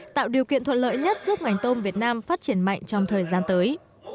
tạo điều kiện thuận lợi nhất giúp ngành tôm việt nam phát triển mạnh trong thời gian tới